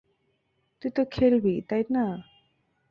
তুই তো খেলবি, তাই না?